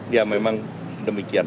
ya memang demikian